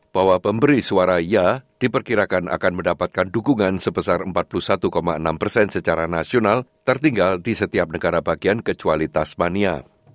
bahwa pemberi suara ia diperkirakan akan mendapatkan dukungan sebesar empat puluh satu enam persen secara nasional tertinggal di setiap negara bagian kecuali tasmania